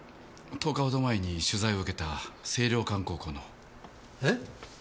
１０日ほど前に取材を受けた清涼館高校の。え？